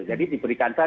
jadi diberikan saja